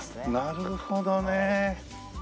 ああなるほどね。